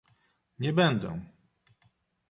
Nie będę!